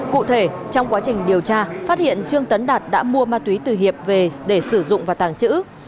cụ thể trong quá trình điều tra phát hiện trương tấn đạt đã mua ma túy từ hiệp về để sử dụng và tàng trữ